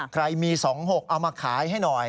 ใครมี๒๖เอามาขายให้หน่อย